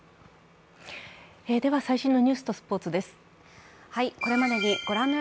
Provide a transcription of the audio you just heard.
では、最新のニュースとスポーツです。